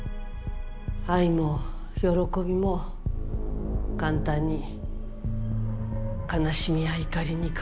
愛も喜びも簡単に悲しみや怒りに変わる。